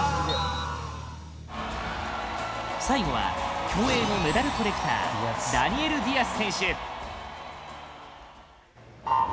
最後は競泳のメダルコレクターダニエル・ディアス選手。